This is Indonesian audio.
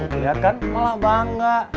lihat kan malah bangga